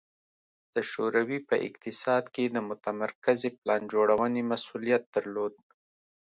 د شوروي په اقتصاد کې د متمرکزې پلان جوړونې مسوولیت درلود